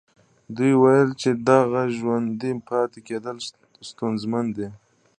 دوی ويل چې د هغه ژوندي پاتې کېدل ستونزمن دي.